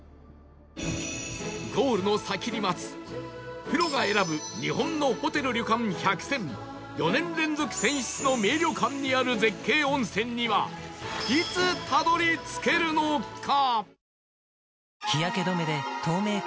ゴールの先に待つプロが選ぶ日本のホテル・旅館１００選４年連続選出の名旅館にある絶景温泉にはいつたどり着けるのか？